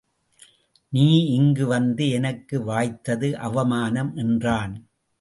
நீ இங்கு வந்து எனக்கு வாய்த்தது அவமானம் என்றான்.